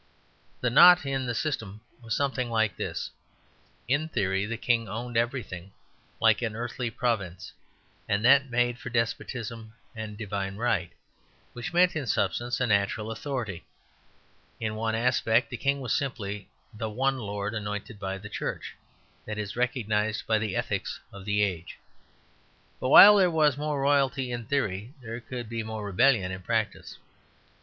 The knot in the system was something like this. In theory the King owned everything, like an earthly providence; and that made for despotism and "divine right," which meant in substance a natural authority. In one aspect the King was simply the one lord anointed by the Church, that is recognized by the ethics of the age. But while there was more royalty in theory, there could be more rebellion in practice.